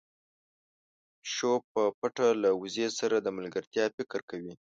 پيشو په پټه له وزې سره د ملګرتيا فکر کوي.